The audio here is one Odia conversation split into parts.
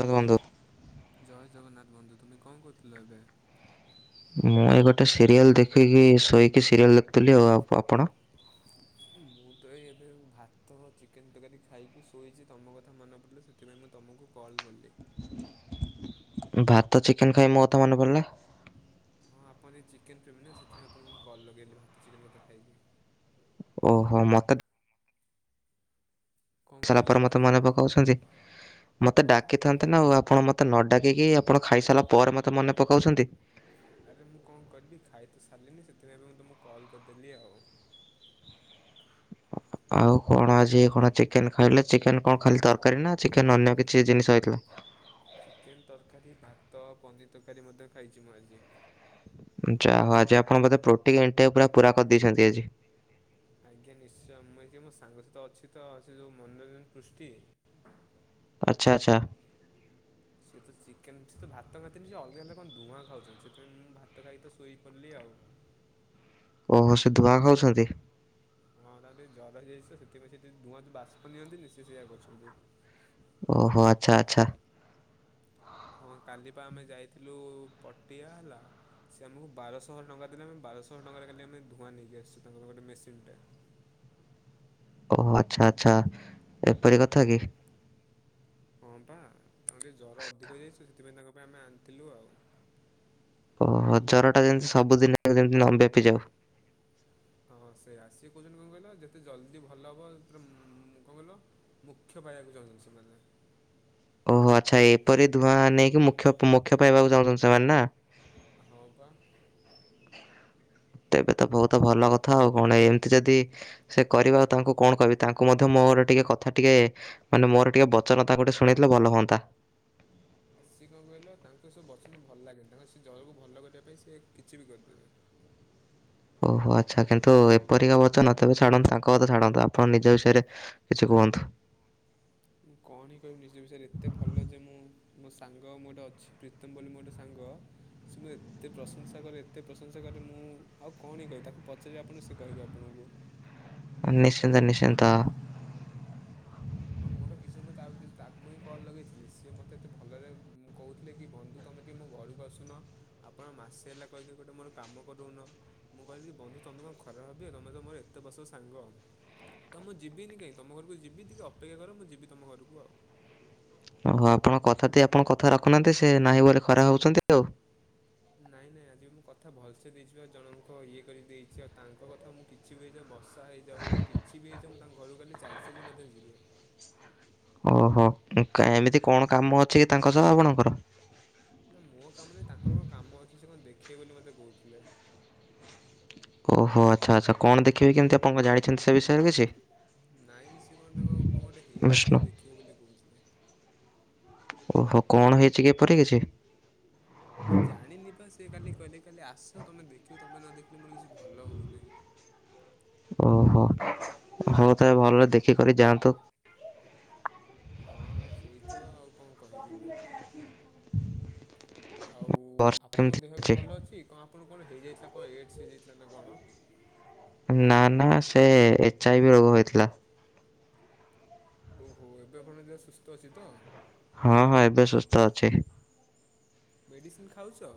ଜୟ ବନ୍ଧୁ। ଜୟ ଜଗନ୍ନାଥ ବନ୍ଧୁ ତୁମେ କଣ କରୁଥିଲ ଏବେ? ମୁଁ ଏଇ ଗୋଟେ ସିରିଏଲ ଦେଖିକି ଶୋଇକି ସିରିଏଲ ଦେଖୁଥିଲି ଆଉ ଆପ- ଆପଣ? ମୁଁ ତ ଏଇ ଏବେ ଭାତ ଚିକେନ ତରକାରୀ ଖାଇକି ଶୋଇଚି ତମ କଥା ମନେ ପଡିଲା ସେ ଥିପାଇଁ ମୁଁ ତୁମକୁ କଲ କଲି। ଭାତ, ଚିକେନ ଖାଇ ମୋ କଥା ମନେ ପଡିଲା। ହଁ ଆପଣ ଟିକେ ଚିକେନ ପ୍ରେମି ନା ସେଥିପାଇଁ ଆପଣଙ୍କୁ ମୁଁ କଲ ଲଗେଇଲି ଭାତ, ଚିକେନ କଥା ଖାଇକି। ଓହୋ ମତେ କଣ ଖାଇ ସାରିଲା କହିଲେ ପରେ ଆପଣ ମତ ମନେ ପକୋଉଚନ୍ତି। ମତେ କଣ? ଡାକିଥାନ୍ତେ ନା ଆଉ ଆପଣ ମତେ ନ ଡାକିକି ଆପଣ ଖାଇସାରିଲା ପରେ ମତେ ମନେ ପକୋଉଚନ୍ତି। ଆରେ ମୁଁ କଣ କରିବି ଖାଇତ ସାରିଲିନି ସେଥିପାଇଁ ବି ମୁଁ ତୁମକୁ କଲ କରିଦେଲି ଆଉ। ଆଉ କଣ ଆଜି କଣ ଚିକେନ ଖାଇଲେ ଚିକେନ କଣ ଖାଲି ତରକାରୀ ନା ଚିକେନ ଅନ୍ୟ କିଛି ଜିନିଷ ହେଇଥିଲା। ଚିକେନ ତରକାରୀ ଭାତ ପନିର ତରକାରୀ ମଧ୍ୟ ଖାଇଚି ମୁଁ ଆଜି। ଯାହା ହୋଉ ଆଜି ଆପଣ ବୋଥେ ପ୍ରୋଟିଙ୍ଗି ଇଣ୍ଟା କୁ ପୁରା ପୁରା କରିଦେଇଚନ୍ତି ଆଜି। ଆଜ୍ଞା ନିଶ୍ଚୟ ମୁଁ ଏଇଠି ଟିକେ ମୋ ସାଙ୍ଗ ସହିତ ଅଛି ତ ସେ ଯୋଉ ମନୋରଞ୍ଜ ପୃଷ୍ଟି ଆଚ୍ଛା ଆଚ୍ଛା। ସେିଏ ତ ଚିକେନ ସେ ତ ଭାତ ଖାଆନ୍ତିି ସେ ଅଲଗା ଅଲଗା କଣ ଧୂଆଁ ଖାଉଚନ୍ତି ସେଥିପାଇଁ ମୁଁ ଭାତ ଖାଇକି ତ ଶୋଇପଡିଲି ଆଉ। [inaudible] ଓହୋ। ସେ ଧୁଆଁ ଖାଉଚନ୍ତି? ହଁ ତାକୁ ଟିକେ ଜ୍ୱର ହେଇଯାଇଚି ତ ସେଥିପାଇଁ ସେ ଟିକେ ଧୂଆଁ ବାଷ୍ପ ନିଅନ୍ତିନି ସେ ସେଇୟା କରୁଚନ୍ତି। ଓହୋ ଆଚ୍ଛା ଆଚ୍ଛା। ହଁ କାଲି ପା ଆମେ ଯାଇଥିଲୁ ପଟିଆ ହେଲା। ସେ ଆମକୁ ବାରଶହ ଟଙ୍କା ଦେଲେ। ଆମେ ବାରଶହ ଟଙ୍କାରେ କାଲି ଆମେ ଧୂଆଁ ନେଇକି ଆସିଚୁ। ତାଙ୍କର ଗୋଟେ ମେସିନଟେ ଓହୋ ଆଚ୍ଛା ଆଚ୍ଛା ଏପରି କଥା କି। ହଁ ପା ତାଙ୍କୁ ଟିକେ ଜର ଅଧିକ ହେଇଯାଇଚି ତ ସେଥିପାଇଁ ତାଙ୍କ ପାଇଁ ଆମେ ଆଣିଥିଲୁ ଆଉ। ହଁ ଜରଟା ଯେମିତି ସବୁଦିନ ପାଇଁ ଯେମିତି ନବ୍ୟାପି ଯାଉ। ହଁ ହଁ ସେୟା କୋହୁଚନ୍ତି କଣ କହିଲ ଯେତେ ଜଲଦି ଭଲ ହବ ପୁରା ମୁଁ କଣ କହିଲ ମୋଖ୍ୟ ପାଇବାକୁ ଚାହୁଁଚନ୍ତି ସେମାନେ। ଓହୋ ଆଚ୍ଛା ଏପରି ଧୂଆଁ ନେଇକି ମୁଖ୍ୟ ମୋଖ୍ୟ ପାଇବାକୁ ଚାହୁଁଚନ୍ତି ସେମାନେ ନା। ହଁ ପା। ତେବେ ତ ବୋହୁତ ଭଲ କଥା ଆଉ କଣ ଏମିତି ଯଦି ସେ କରିବେ ଆଉ ତାଙ୍କୁ କଣ କହିବି ତାଙ୍କୁ ମଧ୍ୟ ମୋର ଟିକେ କଥା ଟିକିଏ ମାନେ ମୋର ଟିକେ ବଚରଧା ଗୋଟେ ଶୁଣେଇଥିଲେ ଭଲ ହୁଆନ୍ତା। ଆଉ ସିଜ କଣ କହିଲ ତାଙ୍କୁ ସେ ବଚନ ଭଲ ଲାଗେନି। ତାଙ୍କର ସେ ଜରକୁ ଭଲ କରିବା ପାଇଁ ସେ କିଛି ବି କରିଦେବେ। ଓହୋ ଆଚ୍ଛା କିନ୍ତୁ ଏପରିକା ବଚନ ତେବେ ଛାଡନ୍ତୁ ତାଙ୍କ କଥା ଛାଡନ୍ତୁ ଆପଣ ନିଜ ବିଷୟରେ କିଛି କୁହନ୍ତୁ। ମୁଁ କଣ ହିଁ କହିବି ନିଜ ବିଷୟରେ ଏତେ ଭଲ ଯେ ମୁଁ ମୋ ସାଙ୍ଗ ମୁଁ ଗୋଟେ ଅଛି ପ୍ରୀତମ ବୋଲି ମୋ ଗୋଟେ ସାଙ୍ଗ ସେ ମୋର ଏତେ ପ୍ରଶଂସା କରେ ଏତେ ପ୍ରଶଂସା କରେ। ମୁଁ ଆଉ କଣ ହିଁ କହିବି ତାକୁ ପଚାରିବେ ଆପଣ ସେ କହିବେ ଆପଣଙ୍କୁ। ହଁ ନିଶ୍ଚିନ୍ତ ନିଶ୍ଚିନ୍ତ। ହଁ ମୁଁ ଏବେ କିଛି ସମୟ ପୁର୍ବରୁ ତା କତିକି ତାକୁ ହିଁ କଲ ଲଗେଇଥିଲି। ସିଏ ମତେ ଏତେ ଭଲରେ ମୁଁ କୋହୁଥିଲେ କି ବନ୍ଧୁ ତମେ ଟିକ ମୋ ଘରକୁ ଆସୁନ। ଆପଣ ମାସେ ହେଲା କହି କହି ଗୋଟେ ମୋର କାମ କରି ଦୋଉନ। ମୁଁ କହିଲି ବନ୍ଧୁ ତମେ କଣ ଖରାପ ଭାବିବ ବ ତମେତ ମୋର ଏତେ ବର୍ଷର ସାଙ୍ଗ। ତ ମୁଁ ଯିବିନି କାଇଁ ତମ ଘରକୁ ଯିବି ଟିକେ ଅପେକ୍ଷା କର। ମୁଁ ଯିବି ତମ ଘରକୁ ଆଉ। ଓହୋ ଆପଣ କଥା ଦେଇ ଆପଣ କଥା ରଖୁନାହାନ୍ତି। ସେ ନାହିଁ ବୋଲି ଖରାପ ଭାବୁଛନ୍ତି ଆଉ। ନାଇଁ, ନାଇଁ। ଆଜି ମୁଁ କଥା ଭଲସେ ଦେଇଛି ବା? ଜଣଙ୍କ ଇଏ କରିିକି ଦେଇଛି। ଆଉ ତାଙ୍କ କଥା ମୁଁ କି ଛି ବି ହେଇଯାଉ। ବର୍ଷା ହେଇଯାଉ। କିଛି ବି ହେଇଯାଉ। ମୁଁ, ତାଙ୍କ ଘରକୁ କାଲି ଚାଲି, ଚାଲି ମଧ୍ୟ ଯିବି। ଓହୋ। କାଇଁ ଏମିତି କଣ କାମ ଅଛି କି ତାଙ୍କ ସହ ଆପଣଙ୍କର? ନା ମୋ କାମ ନାଇଁ ତାଙ୍କର କଣ କାମ ଅଛି। ସେ କଣ ଦେଖେଇବେ ବୋଲି ମତେ କହୁଥିଲେ। ଓହୋ ଆଚ୍ଛା ଆଚ୍ଛା। କଣ ଦେଖିବେ କି ଏମିତି? ଆପଣ କଣ ଜାଣିଛନ୍ତି ସେ ବିଷୟରେ କିଛି? ନାଇଁ, ସେ କଣ, ତାଙ୍କ କଣ ଗୋଟେ ହେଇଛି? ବିଷ୍ଣୁ ସେ ଦେଖିବେ ବୋଲି କହୁଥିଲେ। ଓହୋ କଣ ହେଇଛି କି ଏପରି କିଛି? ମୁଁ ଜାଣିନି ବା। ସିଏ କାଲି କହିଲେ, କାଲି ଆସ ତମେ ଦେଖିବ। ତମେ ନ ଦେଖିଲେ ମୋର କିଛି ଭଲ ହଉନାହିଁ। ଓହୋ ହଉ ତା ଭଲ ଦେଖି କରି ଯାଆନ୍ତୁ। ହଁ ସେଇ ତ ଆଉ କଣ କହିବି ମୁଁ? ଆଉ ବର୍ଷା କେମିତି ଆପଣଙ୍କ ଦେହ ଏବେ ଭଲ ଅଛି? କଣ ଆପଣଙ୍କୁ କଣ ହେଇଯାଇଥିଲା କଣ ଏଡସ ହେଇଯାଇଥିଲା ନା କଣ? ନା ନା ସେ ଏଚ୍ ଆଇ ଭି ରୋଗ ହୋଇଥିଲା। ଓହୋ। ଏବେ ଆପଣଙ୍କ ଦେହ ସୁସ୍ଥ ଅଛି ତ? ହଁ ହଁ ଏବେ ସୁସ୍ଥ ଅଛି। ମେଡ଼ିସିନ ଖାଉଛ?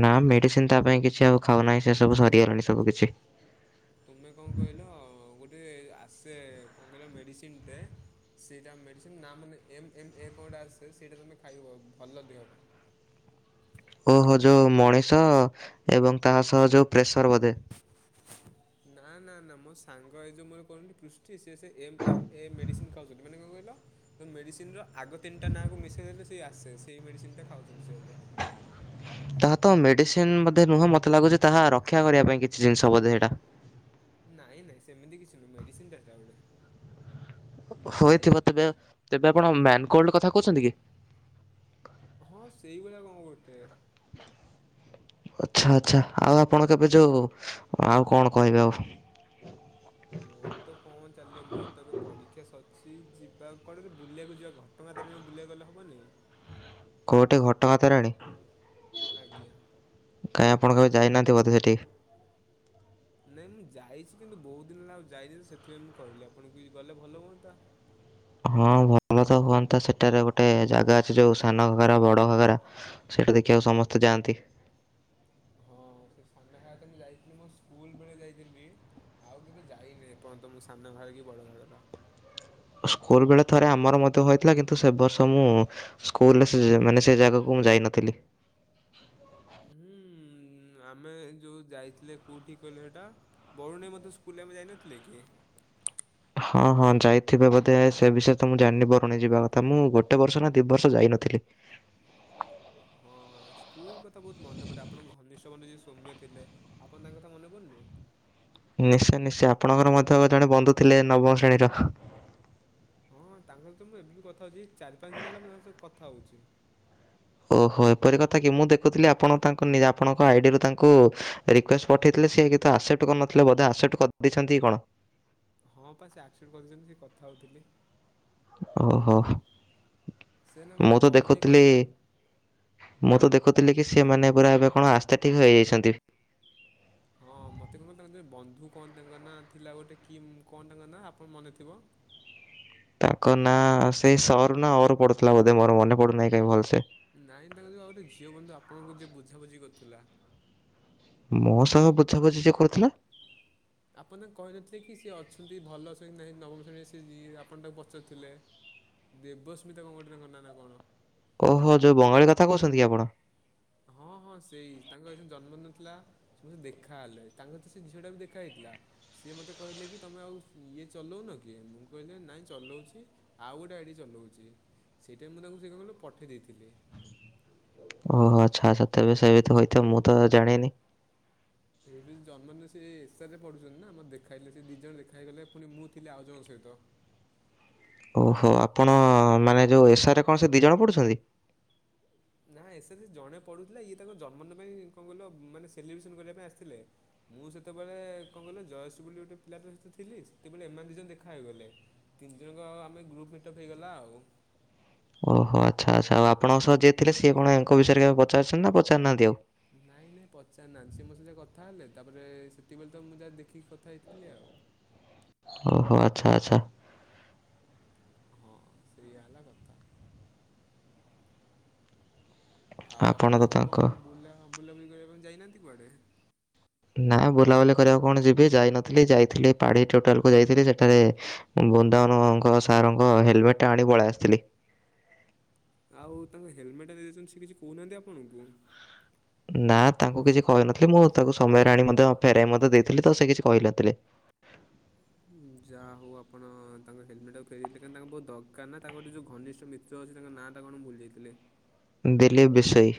ନା। ମେଡିସିନ ତା ପାଇଁ କିଛି ଆଉ ଖାଉ ନାହିଁ। ସେ ସବୁ ସରିଗଲାଣି ସବୁ କିଛି। ତୁମେ କଣ କହିଲ? ଗୋଟେ ଆସେ କଣ କହିଲ ମେଡ଼ିସିନଟେ‌। ସେଇଟା ମେଡ଼ିସିନ୍। ନା ମାନେ ଏମ୍ ଏମ୍ ଏ କଣ ଗୋଟେ ଆସେ। ସେଇଟା ତୁମେ ଖାଇବ। ଭଲ ଦେହ ପାଇଁ। ଓହୋ। ଯୋଉ ମଣିଷ ଏବଂ ତା ସହ ଯୋଉ ପ୍ରେସର ବୋଧେ! ନା, ନା, ନା। ମୋ ସାଙ୍ଗ ଏ ଯୋଉ ମୋର କହୁନଥିଲି? ପୃଷ୍ଟି। ସିଏ ସେ ଏମ୍ ଏମ୍ ଏ ମେଡ଼ିସିନ୍ ଖାଉଛନ୍ତି। ମାନେ କଣ କହିଲ? ମେଡିସିନ ର ଆଗ ତିନିଟା ନା କୁ ମିଶାଇ ଦେଲେ ସେ ଆସେ। ସେଇ ମେଡିସିନ ଟା ଖାଉଛନ୍ତି ସେ ଏବେ। ତାହା ତ ମେଡିସିନ ବୋଧେ ନୁହଁ। ମତେ ଲାଗୁଛି, ତାହା ରକ୍ଷା କରିବା ପାଇଁ କିଛି ଜିନିଷ ବୋଧେ ସେଇଟା! ନାଇଁ ନାଇଁ, ସେମିତି କିଛି ନୁହେଁ, ମେଡିସିନ ଟା ଗୁଟେ। ହୋଇଥିବ ତେବେ। ତେବେ ଆପଣ ମ୍ୟାନକୋଲ୍ଡ କଥା କହୁଛନ୍ତି କି? ହଁ, ସେଇଭଳିଆ କଣ ଗୋଟେ? ଆଚ୍ଛା ଆଚ୍ଛା। ଆଉ ଆପଣ କେବେ ଯୋଉ ଆଉ କଣ କହିବେ ଆଉ? ମୋର ତ କଣ ଚାଲିବ ମୋର ତ ଏବେ ପରୀକ୍ଷା ସଚଛି। ଯିବା କଣ ବୁଲିବାକୁ ଯିବା କହ? ଟଙ୍କାଧରି ବୁଲିଆକୁ ଗଲେ ହେବନି? କେଉଁଠି? ଘଟଗାଁ ତାରିଣୀ? ଆଜ୍ଞା। କାଇଁ ଆପଣ କେବେ ଯାଇହାନ୍ତି ବୋଧେ ସେଠିକି? ନା। ନାଇଁ ମୁଁ ଯାଇଛି। କିନ୍ତୁ ବହୁତ ଦିନ ହେଲା ଆଉ ଯାଇନି, ତ ସେଥିପାଇଁ ମୁଁ କହିଲି ଆପଣଙ୍କୁ ବି ଗଲେ ଭଲ ହୁଅନ୍ତା। ହଁ ଭଲ ତ ହୁଅନ୍ତା। ସେଠାରେ ଗୋଟେ ଜାଗା ଅଛି ଯୋଉ ସାନ ଘାଗରା, ବଡ ଘାଗରା। ସେଇଟା ଦେଖିବାକୁ ସମସ୍ତେ ଯାଆନ୍ତି। ହଁ ସେ ସାନ ଘାଗରା ତ ମୁଁ ଯାଇଥିଲି ମୋ ସ୍କୁଲ ବେଳେ ଯାଇଥିଲି! ଆଉ କେବେ ଯାଇନି ଏପର୍ଯ୍ୟନ୍ତ ମୁଁ ସାନ ଘାଗରା କି ବଡ଼ ଘାଗରା। ସ୍କୁଲ ବେଳେ ଥରେ ଆମର ମଧ୍ୟ ହୋଇଥିଲା। କିନ୍ତୁ ସେ ବର୍ଷ ମୁଁ ସ୍କୁଲରେ ସେ ଯ ମାନେ ସେ ଜାଗାକୁ ମୁଁ ଯାଇନଥିଲି। ହୁଁ ଆମେ ଯୋଉ ଯାଇଥିଲେ କୋଉଠିକି କହିଲେ ସେଇଟା? ବରୁଣେଇ ମଧ୍ୟ ସ୍କୁଲରେ ଆମେ ଯାଇନଥିଲେ କି? ହଁ ହଁ, ଯାଇଥିବେ ବୋଧେ। ସେ ବିଷୟରେ ତ ମୁଁ ଜାଣିନି ବରୁଣେଇ ଯିବା କଥା! ମୁଁ ଗୋଟେ ବର୍ଷ ନା ଦି ବର୍ଷ ଯାଇନଥିଲି। ହଁ ସ୍କୁଲ କଥା ବହୁତ ମନେ ପଡେ। ଆପଣଙ୍କ ଘନିଷ୍ଠ ବନ୍ଧୁ ଯିଏ ସୌମ୍ୟ ଥିଲେ? ଆପଣଙ୍କ ତାଙ୍କ କଥା ମନେପଡୁଛି? ନିଶ୍ଚୟ ନିଶ୍ଚୟ। ଆପଣଙ୍କର ମଧ୍ୟ ଜଣେ ବନ୍ଧୁ ଥିଲେ ନବମ ଶ୍ରେଣୀର? ହଁ ହଁ। ତାଙ୍କ ସହିତ ମୁଁ ଏବେ ବି କଥା ହଉଛି। ଚାରି ପାଞ୍ଚ ଦିନ ହେଲା ମୁଁ ତାଙ୍କ ସହିତ କଥା ହଉଛି। ଓହୋ। ଏପରି କଥା କି? ମୁଁ ଦେଖୁଥିଲି ଆପଣ ତାଙ୍କ ନିଜ ଆପଣ ତାଙ୍କ ଆଇଡିରୁ ତାଙ୍କୁ ରିକ୍ୱେଷ୍ଟ ପଠେଇଥିଲେ ସିଏ? କିନ୍ତୁ ଆକ୍ସେପ୍ଟ କରିନଥିଲେ ବୋଧ ଆକ୍ସେପ୍ଟ କରିଦେଇଛନ୍ତି କଣ? ହଁ ପା ସେ ଆକ୍ସେପ୍ଟ କରିଛନ୍ତି। ସେ କଥା ହଉଥିଲି। ଓହୋ। ସେ ନା ମୋତେ ମୁଁ ତ କହିଲେ ଦେଖୁଥିଲି କଥା ମୁଁ ତ ଦେଖୁଥିଲି କି ସେମାନେ ପୁରା ଏବେ କଣ ଆସ୍ଥେଠିକ୍ ହେଇଯାଇଛନ୍ତି। ହଁ ମତେ କଣ କହିଲେ ତାଙ୍କର ଜଣେ ବନ୍ଧୁ କଣ ତାଙ୍କ ନାଁ ଥିଲା ଗୋଟେ କି ଉମ୍ କଣ ତାଙ୍କ ନାଁ ଆପଣ ମନେ ଥିବ। ତାଙ୍କ ନାଁ ସେଇ ସ ରୁ ନା ଅ ରୁ ପଡୁଥିଲା ବୋଧେ ମୋର ମନେ ପଡୁନାହିଁ କାହିଁ ଭଲସେ। ନାଇଁ ତାଙ୍କ ଯୋଉ ଆଉ ଗୋଟେ ଝିଅ ବନ୍ଧୁ ଆପଣଙ୍କୁ ଯିଏ ବୁଝାବୁଝି କରୁଥିଲା। ମୋ ସାଙ୍ଗ ବୁଝାବୁଝି ଯିଏ କରୁଥିଲା। ଆପଣ ତାଙ୍କୁ କହିନଥିଲେ କି ସିଏ ଅଛନ୍ତି ଭଲ ଅଛନ୍ତି କି ନାହିଁ ନବମ ଶ୍ରେଣୀରେ ସେ ଯିଏ ଆପଣ ତାକୁ ପଚାରୁଥିଲେ। ଦେବସ୍ମିତା କଣ ଗୋଟେ ତାଙ୍କ ନାଁ ନା କଣ? ଓହୋ ଯୋଉ ବଙ୍ଗାଳୀ କଥା କହୁଛନ୍ତି କି ଆପଣ? ହଁ ହଁ ସେଇ ତାଙ୍କର ସେଇ ଦିନ ଜନ୍ମଦିନ ଥିଲା। ସେ ମତେ ଦେଖା ହେଲେ ତାଙ୍କ ସହିତ ସେ ଝିଅଟା ବି ଦେଖା ହେଇଥିଲା। ସିଏ ମୋତେ କହିଲେ କି ତମେ ଆଉ ଇଏ ଚଲଉନ କି? ମୁଁ କହିଲି ନାଇଁ ଚଲଉଚି। ଆଉ ଗୋଟେ ଗାଡି ଚଲଉଚି। ସେଇଟା ମୁଁ ତାଙ୍କୁ ସେ କଣ କହିଲ ପଠେଇ ଦେଇଥିଲି। ଓହୋ ଆଚ୍ଛା ଆଚ୍ଛା। ତେବେ ସେ ହୋଇଥିବ ହୋଇଥିବ ମୁଁ ତ ଜାଣିନି। ଏବେ ଜନ୍ମଦିନ ସେ ଏସ୍ ଆର୍ ରେ ପଢୁଛନ୍ତି ନା ଆମର ଦେଖା ହେଲେ ସେ ଦି ଜଣ ଦେଖା ହେଇଗଲେ ପୁଣି ମୁଁ ଥିଲି ଆଉ ଜଣଙ୍କ ସହିତ। ଓହୋ ଆପଣ ମାନେ ଯୋଉ ଏସ୍ ଆର୍ ରେ କଣ ସେ ଦି ଜଣ ପଢୁଛନ୍ତି? ନା ଏସେ ସେସ୍ ଜଣେ ପଢୁଥିଲେ ଇଏ ତାଙ୍କ ଜନ୍ମଦିନ ପାଇଁ କଣ କହିଲ ମାନେ ସେଲିବ୍ରେସନ କରିବା ପାଇଁ ଆସିଥିଲେ। ମୁଁ ସେତେବେଳେ କଣ କହିଲ ଜୟଶ୍ ବୋଲି ଗୋଟେ ପିଲାଟା ସହିତ ଥିଲି ସେତବେଳେ ଏମାନେ ଦି ଜଣ ଦେଖା ହେଇଗଲେ। ତିନି ଜଣଙ୍କ ଆଉ ଆମେ ଗ୍ରୁପ୍ ମିଟଅପ୍ ହେଇଗଲା ଆଉ। ଓହୋ ଆଚ୍ଛା ଆଚ୍ଛା ଆଉ ଆପଣଙ୍କ ସହ ଯିଏ ଥିଲେ ସିଏ ପୁଣି ୟାଙ୍କ ବିଷୟରେ କେବେ ପଚାରୁଛନ୍ତି ନା ପଚାରୁନାହାନ୍ତି ଆଉ। ନାଇଁ ନାଇଁ ପଚାରି ନାହାନ୍ତି ସେ ମୋ ସହିତ କଥା ହେଲେ ତାପରେ ସେତିକବେଳେ ତ ମୁଁ ଯାହା ଦେଖିକି କଥା ହେଇଥିଲି ଆଉ। ହଁ ହଁ ଆଚ୍ଛା ଆଚ୍ଛା। ହଁ ସେଇଆ ହେଲା କଥା। ଆଉ ଆପଣ ତ ଏବେ ତାଙ୍କ କଣ ବୁଲା ବୁଲାବୁଲି କରିବା ପାଇଁ ଯାଇନାହାନ୍ତି କୁଆଡେ? ନାଁ ବୁଲାବୁଲି କରିବାକୁ କଣ ଯିବି ଯାଇନଥିଲି ଯାଇଥିଲି ପାଢ଼ୀ ଟ୍ୟୁଟ୍ରାଲକୁ ଯାଇଥିଲି ସେଠାରେ ବୃନ୍ଦାବନଅଙ୍କ ସାରଙ୍କ ହେଲମେଟ୍ ଟା ଆଣି ପଳେଆସଥିଲି। ଆଉ ତାଙ୍କ ହେଲମେଟ୍ ଟା ଦେଇ ଦେଇଛନ୍ତି ସେ କିଛି କହୁନାହାନ୍ତି ଆପଣଙ୍କୁ? ନା ତାଙ୍କୁ କିଛି କହିନଥିଲି। ମୁଁ ତାକୁ ସମୟରେ ଆଣି ମଧ୍ୟ ଫେରାଇ ମଧ୍ୟ ଦେଇଥିଲି ତ ସେ କିଛି କହିନଥିଲେ। ଯାଆ ହଉ ଆପଣ ତାଙ୍କ ହେଲମେଟ୍ ଟାକୁ ଫେରେଇଲେ କାଇଁ ତାଙ୍କ ବହୁତ ଦକାର ନା ତାଙ୍କର ଟି ଯୋଉ ଘନିଷ୍ଟ ମିତ୍ ତ୍ର ଅଛି ତାଙ୍କ ନାଁ ଟା କଣ ଭୁଲି ଯାଇଥିଲେ। ଦିଲ୍ଲୀପ ବିଷୋଇ।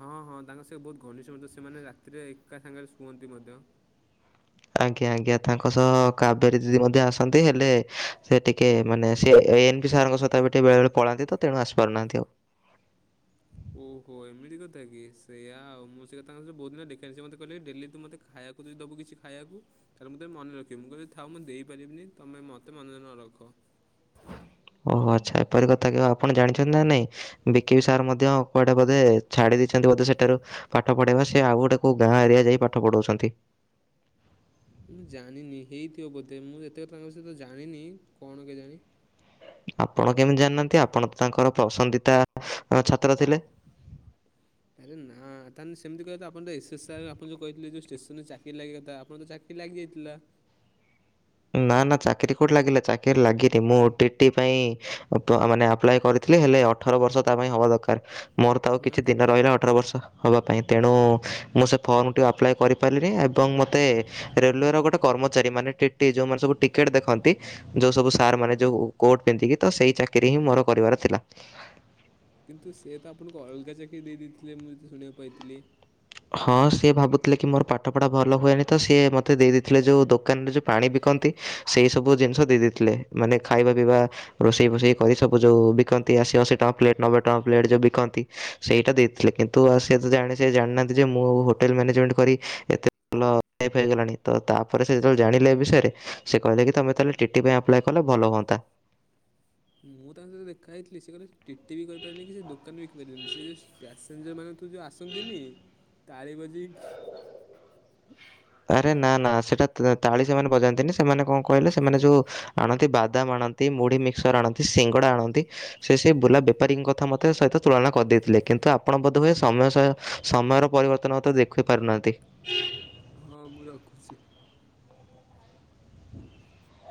ହଁ ହଁ ତାଙ୍କ ସେ ବହୁତ ଘନିଷ୍ଠ ବନ୍ଧୁ ସେମାନେ ରାତିରେ ଏକା ସାଙ୍ଗରେ ଶୁଅନ୍ତି ମଧ୍ୟ। ଆଜ୍ଞା ଆଜ୍ଞା ତାଙ୍କ ସହ କାବେରୀ ଦିଦି ମଧ୍ୟ ଆସନ୍ତି ହେଲେ ସେ ଟିକେ ମାନେ ସେ ଏଇନ୍ ସେ ସାର୍ ଙ୍କ ସହିତ ବୋଟେ ବେଳେ ବେଳେ ପଳାନ୍ତି ତ ତେଣୁ ଆସିପାରୁନାହାନ୍ତି ଆଉ। ଓହୋ ଏମିତି କଥା କି ସେୟଆ ଆଉ ମୁଁ ସେୟା ତାଙ୍କ ସହିତ ବହୁତ ଦିନ ହେଲା ଦେଖା ହେଇନି ସେ ମତେ କହିଲେ କି ଡେଲି ତୁ ମତେ ଖାଇଆକୁ ଯେଦି ଦବୁ କିଛି ଖାଇଆକୁ ତାହେଲେ ମୁଁ ତତେ ମନେ ରଖିବି। ମୁଁ କହିଲି ଥାଉ ମୁଁ ଦେଇପାରିବିନି ତମେ ମତେ ମନେ ନ ରଖ। ଓହୋ ଆଚ୍ଛା। ଏପରି କଥା କହ ଆପଣ ଜାଣିଛନ୍ତି ନା ନାଇଁ ବିକିିବି ସାର୍ ମଧ୍ୟ କୁଆଡେ ବୋଧେ ଛାଡି ଦେଇ ଛନ୍ତି। ବୋଧେ ସେଠାରୁ ପାଠ ପଢେଇବା ସେ ଆଉ ଗୋଟେ କୋଉ ଗାଁ ଏରିଆ ଯାଇ ପାଠ ପଢଉଛନ୍ତି। ମୁଁ ଜାଣିନି ହେଇଥିବ ବୋଧେ ମୁଁ ଏତେ କଥା ତାଙ୍କ ସହିତ ଜାଣିନି କଣ କେଜାଣି? ଆପଣ କେମତି ଜାଣିନାହାନ୍ତି ଆପଣ ତ ତାଙ୍କର ପସନ୍ଦିତା ଛାତ୍ର ଥିଲେ। ପତ୍ର ଥିଲେ ଆରେ ନା ତାହେଲେ ସେମତି କହିଆ କଥା ଆପଣ ଟିକେ ଏସ୍ ଏସ୍ ଆର୍ ଆପଣ ଯୋଉ କହିଥିଲେ ଯୋଉ ଷ୍ଟେସନରେ ଚାକିରି ଲାଗିଆ କଥା ଆପଣ ତ ଚାକ୍ କିରୀ ଲାଗିଯାଇଥିଲା। ନା ନା ଚାକିରି କୋଉଠି ଲାଗିଲା? ଚାକିର ଲାଗିନି ମୁଁ ଓ ଟି ଟି ପାଇଁ ମାନେ ଆପ୍ଲାଏ କରିଥିଲି ହେଲେ ଅ ଠର ବର୍ଷ ତା ପାଇଁ ହବା ଦରକାର। ମୋର ତ ଆଉ ନା କିଛି ଦିନ ତାପରେ ରହିଲା ଅଠର ବର୍ଷ ହବା ପାଇଁ ତେଣୁ ମୁଁ ସେ ଫର୍ମଟି ଆପ୍ଲାଏ କରି ପାରିଲିନି ଏବଂ ମୋତେ ରେଲୱେର ଗୋଟେ କର୍ମଚାରୀ ମାନେ ଟିଟି ଯୋଉମାନେ ସବୁ ଟିକେଟ୍ ଦେଖନ୍ତି। ଯୋଉ ସବୁ ସାର୍ ମାନେ ଯୋଉ କୋର୍ଟ ପିନ୍ଧିକି ତ ସେଇ ଚାକିରି ହିଁ ମୋର କରିବାର ଥିଲା। କିନ୍ତୁ ସେ ତ ଆପଣଙ୍କୁ ଅଲଗା ଚାକିରି ଦେଇ ଦେଇଥିଲେ ମୁଁ ଯେତିକି ଶୁଣିବାକୁ ପାଇଥିଲି। ହଁ ସିଏ ଭାବୁଥିଲେ କି ମୋର ପାଠପଢ଼ା ଭଲ ହୁଏନି ତ ସିଏ ମୋତେ ଦେଇ ଦେଇଥିଲେ ଯଉଁ ଦୋକାନରେ ଯେଉଁ ପାଣି ବିକନ୍ତି ସେଇ ସବୁ ଜିନିଷ ଦେଇ ଦେଇଥିଲେ ମାନେ ଖାଇବା ପିଇବା ରୋଷେଇ ଫୋଷେଇ କରି ସବୁ ଯୋଉ ବିକନ୍ତି ଅଶୀ ଅଶୀ ଟା ପ୍ଲେଟ ନବେ ଟଙ୍କା ପ୍ଲେଟ ଯୋଉ ବିକନ୍ତି ସେଇଟା ଦେଇଥିଲେ କିନ୍ତୁ ଆଉ ସେ ତ ଜାଣି ସେ ଜାଣିନାହାନ୍ତି ଯେ ମୁଁ ହୋଟେଲ ମ୍ୟାନେଜମେଣ୍ଟ କରି ଏତେ ଭଲ ଚେଫ୍ ହେଇଗଲାଣି ତ ତାପରେ ସେ ଯେତେବେଳେ ଜାଣିଲେ ଏ ବିଷୟରେ ସେ କହିଲେକ କି ତମେ ତାହେଲେ ଟି ଟି ପାଇଁ ଆପ୍ଲାଏ କଲେ ଭଲ ହୁଅନ୍ତା। ମୁଁ ତାଙ୍କ ସହିତ ଦେଖା ହେଇଥିଲି ସେ କହିଲେ ଟିଟି ବି କରିପାରିନି କି ସେ ଦୋକାନରେ ବିିକିପାରିବନି ସେ ପ୍ୟାସେଞ୍ଜର ମାନେ ତୁ ଯଉଁ ଆସନ୍ତିନି ତାଳି ବଜେଇକି ଆରେ ନା ନା ସେଟା ତ- ତାଳି ସେମାନେ ବଜାନ୍ତିନି ସେମାନେ କଣ କହିଲେ ସେମାନେ ଯୋଉ ଆଣନ୍ତି ବାଦାମ ଆଣନ୍ତି ମୁଢ଼ି ମିକ୍ସର ଆଣନ୍ତି ସିଙ୍ଗଡ଼ା ଆଣନ୍ତି। ସେ ସେଇ ବୁଲା ବେପାରୀଙ୍କ କଥା ମଧ୍ୟ ସହିତ ତୁଳନା କରିଦେଇଥିଲେ କିନ୍ତୁ ଆପଣ ବୋଧହୁଏ ସମୟ ସହ ସମୟର ପରିବର୍ତ୍ତନତା ମତେ ଦେଖିପାରୁନାହାନ୍ତି। ହଁ ମୁଁ ରଖୁଚି।